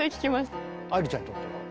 愛理ちゃんにとっては？